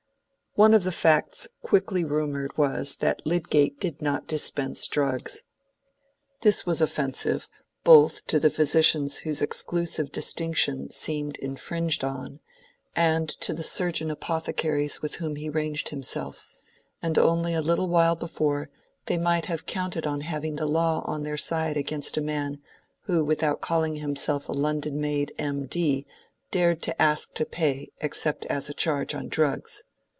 One of the facts quickly rumored was that Lydgate did not dispense drugs. This was offensive both to the physicians whose exclusive distinction seemed infringed on, and to the surgeon apothecaries with whom he ranged himself; and only a little while before, they might have counted on having the law on their side against a man who without calling himself a London made M.D. dared to ask for pay except as a charge on drugs.